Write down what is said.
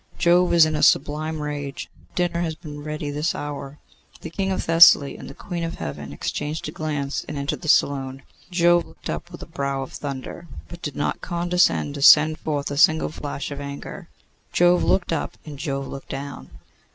'Jove is in a sublime rage. Dinner has been ready this hour.' The King of Thessaly and the Queen of Heaven exchanged a glance and entered the saloon. Jove looked up with a brow of thunder, but did not condescend to send forth a single flash of anger. Jove looked up and Jove looked down.